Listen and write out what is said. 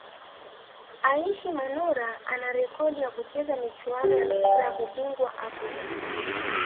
Aishi Manula ana rekodi ya kucheza michuano ya klabu bingwa Afrika